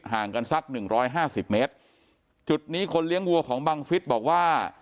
ห่างกันสักหนึ่งร้อยห้าสิบเมตรจุดนี้คนเลี้ยงวัวของบังฟิศบอกว่า